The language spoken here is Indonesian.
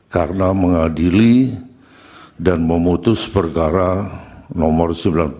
karena mengadili dan memutus perkara nomor sembilan puluh